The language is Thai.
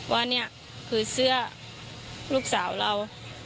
ว่านี่คือเสื้อลูกสาวเรา